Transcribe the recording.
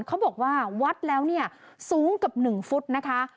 เขาบอกว่าวัดแล้วสูงกับหนึ่งฟุตนะคะ